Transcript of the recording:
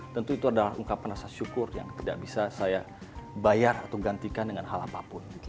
tentu itu adalah ungkapan rasa syukur yang tidak bisa saya bayar atau gantikan dengan hal apapun